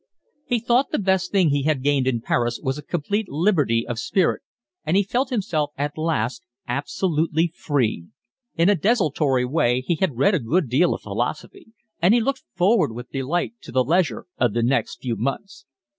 He thought the best thing he had gained in Paris was a complete liberty of spirit, and he felt himself at last absolutely free. In a desultory way he had read a good deal of philosophy, and he looked forward with delight to the leisure of the next few months.